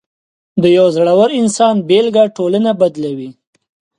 د یو زړور انسان بېلګه ټولنه بدلوي.